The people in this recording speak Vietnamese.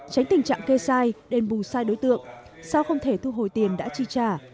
tránh tình trạng kê sai đền bù sai đối tượng sao không thể thu hồi tiền đã chi trả